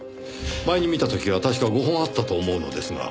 前に見た時は確か５本あったと思うのですが。